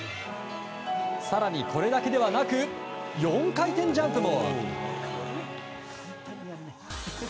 更に、これだけではなく４回転ジャンプも！